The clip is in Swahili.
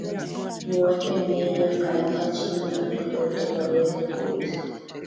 Mu weke beyi ya kalanga chini bantu bote ba weze ku uza